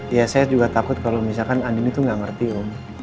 ya saya juga takut kalau misalkan andini itu nggak ngerti om